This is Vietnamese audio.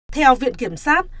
theo viện kiểm sát